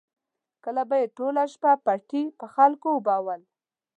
کله به یې ټوله شپه پټي په خلکو اوبول.